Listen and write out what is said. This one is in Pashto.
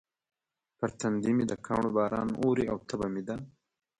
پر تندي مې د کاڼو باران اوري او تبه مې ده.